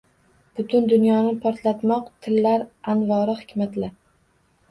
Butun dunyoni portlatmoq tilar anvori hikmat-la